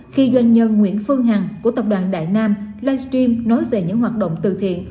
khi doanh nhân nguyễn phương hằng của tập đoàn đại nam livestream nói về những hoạt động từ thiện